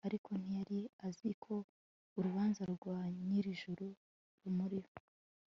ariko ntiyari azi ko urubanza rwa nyir'ijuru rumuriho